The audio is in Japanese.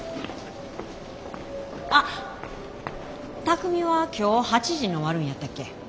あっ巧海は今日８時に終わるんやったっけ？